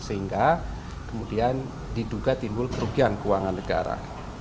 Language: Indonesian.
sehingga kemudian diduga timbul kerugian keuangan negara